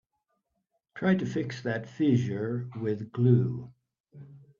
Try to fix that fissure with glue.